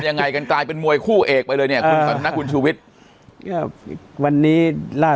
ยังไงกันกลายเป็นมวยคู่เอกไปเลยเนี่ยคุณชูวิทวันนี้ล่า